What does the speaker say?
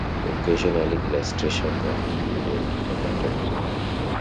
Occasionally illustrations are included on a topic.